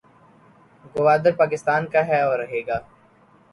گودار پاکستان کاھے اور رہے گا